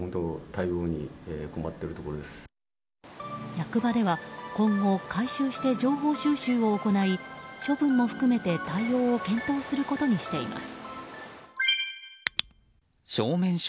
役場では今後、回収して情報収集を行い処分も含めて対応を検討することにしています。